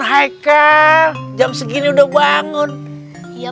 raya jual jangan jual juan sampai jualan